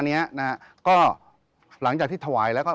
เหมือนเล็บแต่ของห้องเหมือนเล็บตลอดเวลา